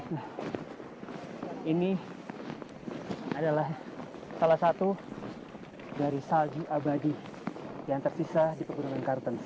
nah ini adalah salah satu dari salju abadi yang tersisa di pegunungan kartens